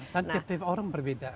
dan tiap tiap orang berbeda